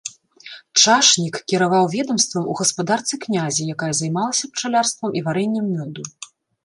Чашнік кіраваў ведамствам у гаспадарцы князя, якая займалася пчалярствам і варэннем мёду.